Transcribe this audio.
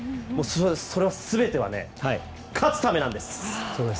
それは全ては勝つためなんです。